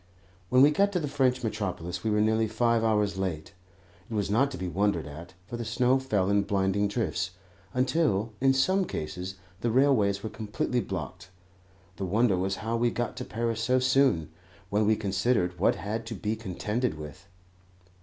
When we got to the French metropolis we were nearly five hours late. It was not to be wondered at, for the snow fell in blinding drifts, until, in some cases, the railways were completely blocked. The wonder was how we got to Paris so soon, when we considered what had to be contended with.